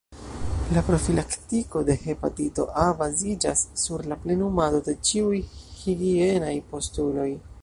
La profilaktiko de hepatito A baziĝas sur la plenumado de ĉiuj higienaj postuloj.